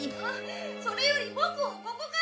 それよりボクをここから！